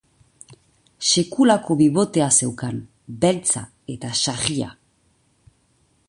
Sekulako bibotea zeukan, beltza eta sarria.